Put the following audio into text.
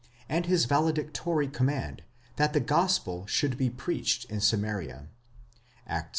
and his valedictory command, that the gospel should be preached in Samaria (Acts i.